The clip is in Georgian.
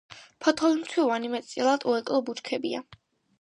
ფოთოლმცვივანი, მეტწილად უეკლო ბუჩქებია.